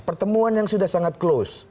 pertemuan yang sudah sangat close